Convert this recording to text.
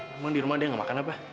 memang di rumah dia gak makan apa